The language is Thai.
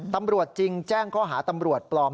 ตำรวจจึงแจ้งข้อหาตำรวจปลอม